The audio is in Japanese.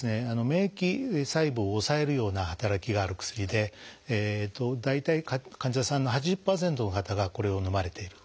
免疫細胞を抑えるような働きがある薬で大体患者さんの８０％の方がこれをのまれている。